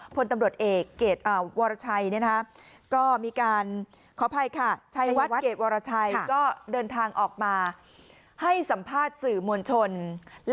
ภายใน๗วันนี้แหละ